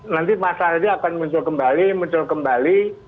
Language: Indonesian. nanti masalah itu akan muncul kembali muncul kembali